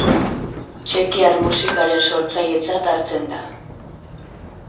Txekiar musikaren sortzailetzat hartzen da.